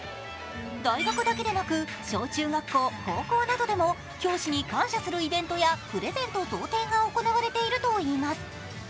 大学だけでなく小中学校、高校などでも教師に感謝するイベントやプレゼント贈呈が行われているといいます。